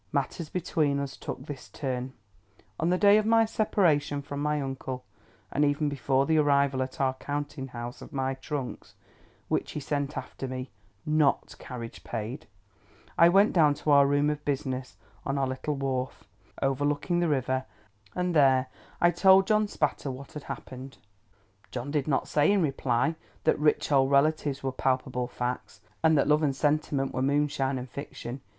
Matters between us took this turn:—On the day of my separation from my uncle, and even before the arrival at our counting house of my trunks (which he sent after me, not carriage paid), I went down to our room of business, on our little wharf, overlooking the river; and there I told John Spatter what had happened. John did not say, in reply, that rich old relatives were palpable facts, and that love and sentiment were moonshine and fiction.